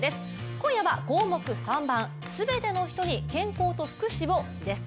今夜は項目３番、「すべての人に健康と福祉を」です。